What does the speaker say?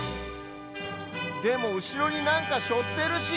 でもうしろになんかしょってるし。